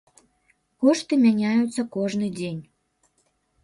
Кошты мяняюцца кожны дзень.